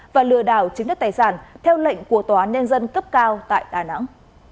và lừa đảo chứng đất tài sản theo lệnh của tòa án nhân dân cấp cao tại đà nẵng